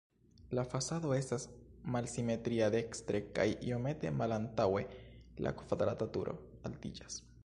La fasado estas malsimetria, dekstre kaj iomete malantaŭe la kvadrata turo altiĝas.